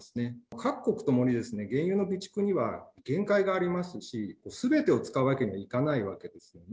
各国ともに原油の備蓄には限界がありますし、すべてを使うわけにはいかないわけですよね。